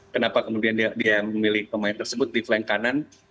kenapa kemudian dia memilih pemain tersebut di flank kanan